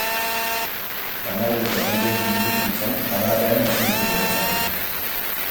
Kameleoia hain geldo mugitzen zen adarrean ezin ikus genezakeela.